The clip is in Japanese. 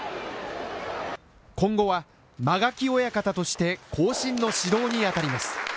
今後は、間垣親方として後進の指導にあたります。